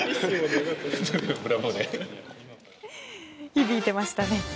響いていましたね！